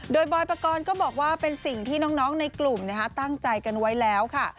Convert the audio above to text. โดยบอยปกรณ์ก็บอกว่าเป็นสิ่งที่น้องในกลุ่มตั้งใจกันไว้แล้วค่ะ